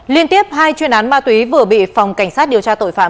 liên tiếp hai chuyên án ma túy vừa bị phòng cảnh sát điều tra tội phạm